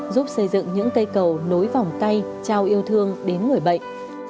giúp xây dựng những cây cầu nối vòng tay trao yêu thương đến người bệnh